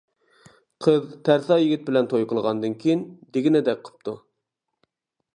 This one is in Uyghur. قىز تەرسا يىگىت بىلەن توي قىلغاندىن كېيىن، دېگىنىدەك قىپتۇ.